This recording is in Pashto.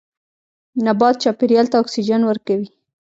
نباتات چاپیریال ته اکسیجن ورکوي